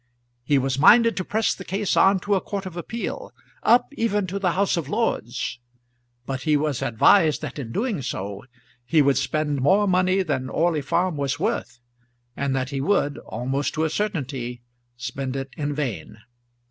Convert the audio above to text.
He was minded to press the case on to a Court of Appeal, up even to the House of Lords; but he was advised that in doing so he would spend more money than Orley Farm was worth, and that he would, almost to a certainty, spend it in vain.